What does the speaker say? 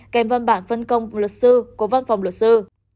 kèm văn bản phân công của luật sư của văn phòng luật sư